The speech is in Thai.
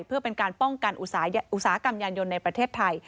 เพื่อเป็นการป้องกันอุตสาหกรรมยานยนต์ในประเทศไทย